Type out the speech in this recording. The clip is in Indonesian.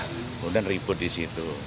kemudian ribut disitu